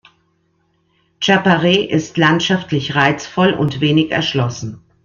Chapare ist landschaftlich reizvoll und wenig erschlossen.